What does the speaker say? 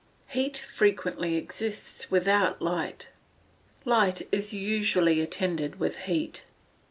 _ Heat frequently exists without light. Light is usually attended with heat.